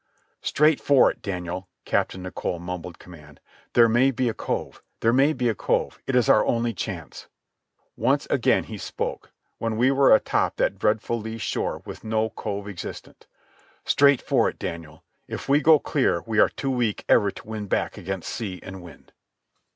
"Straight for it, Daniel," Captain Nicholl mumbled command. "There may be a cove. There may be a cove. It is our only chance." Once again he spoke, when we were atop that dreadful lee shore with no cove existent. "Straight for it, Daniel. If we go clear we are too weak ever to win back against sea and wind."